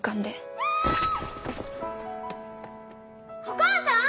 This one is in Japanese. お母さん！？